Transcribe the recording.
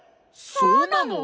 そうなの？